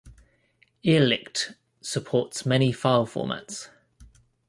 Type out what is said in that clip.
Irrlicht supports many file formats.